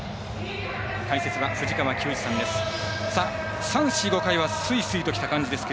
解説は藤川球児さんです。